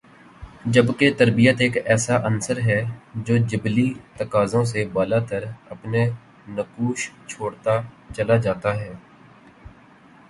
جبکہ تربیت ایک ایسا عنصر ہے جو جبلی تقاضوں سے بالاتر اپنے نقوش چھوڑتا چلا جاتا ہے